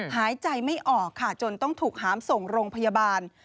หายใจไม่ออกค่ะจนต้องถูกหามส่งโรงพยาบาล